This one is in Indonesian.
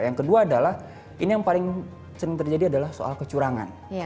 yang kedua adalah ini yang paling sering terjadi adalah soal kecurangan